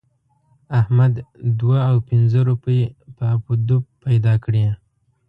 احمد دوه او پينځه روپۍ په اپ و دوپ پیدا کړې.